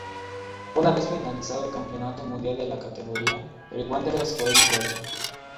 Una vez finalizado el campeonato mundial de la categoría, el Wanderers fue disuelto.